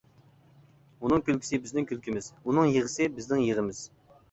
ئۇنىڭ كۈلكىسى بىزنىڭ كۈلكىمىز، ئۇنىڭ يىغىسى بىزنىڭ يىغىمىز.